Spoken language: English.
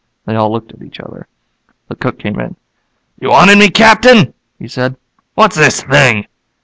They all looked at each other. The cook came in. "You wanted me, Captain?" he said. "What's this thing?"